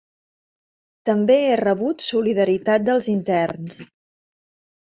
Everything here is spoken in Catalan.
També he rebut solidaritat dels interns.